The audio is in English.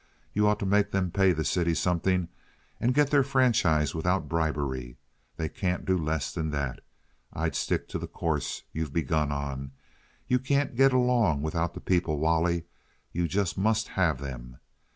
You ought to make them pay the city something and get their franchise without bribery. They can't do less than that. I'd stick to the course you've begun on. You can't get along without the people, Wally. You just must have them.